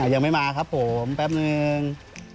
ยังไม่มาครับผมแป๊บนึง